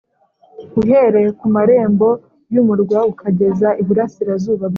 , uhereye ku marembo y’umurwa ukageza iburasirazuba bwawo,